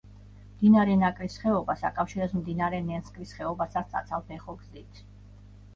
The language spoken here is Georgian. მდინარე ნაკრის ხეობას აკავშირებს მდინარე ნენსკრის ხეობასთან საცალფეხო გზით.